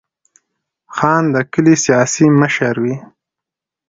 خان د کلي سیاسي مشر وي.